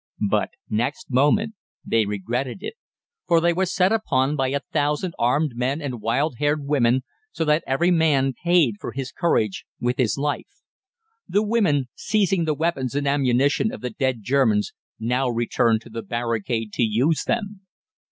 But next moment they regretted it, for they were set upon by a thousand armed men and wild haired women, so that every man paid for his courage with his life. The women, seizing the weapons and ammunition of the dead Germans, now returned to the barricade to use them.